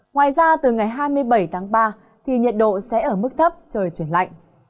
ngoài ra từ ngày hai mươi bảy tháng ba thì nhiệt độ sẽ ở mức thấp trời chuyển lạnh